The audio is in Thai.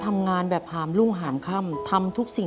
ทำงานชื่อนางหยาดฝนภูมิสุขอายุ๕๔ปี